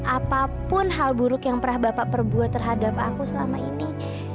apapun hal buruk yang pernah bapak perbuat terhadap aku selama ini